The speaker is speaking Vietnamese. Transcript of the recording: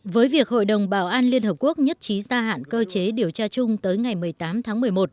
với việc hội đồng bảo an liên hợp quốc nhất trí gia hạn cơ chế điều tra chung tới ngày một mươi tám tháng một mươi một